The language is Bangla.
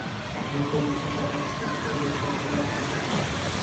যুদ্ধ বিষয়ে তারা যথেষ্ট অভিজ্ঞতা লাভ করেছে।